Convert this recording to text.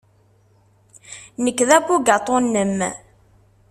Nekk d abugaṭu-nnem.